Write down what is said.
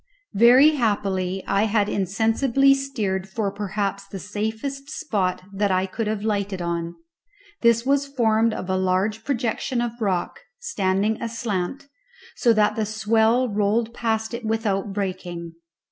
Very happily I had insensibly steered for perhaps the safest spot that I could have lighted on; this was formed of a large projection of rock, standing aslant, so that the swell rolled past it without breaking.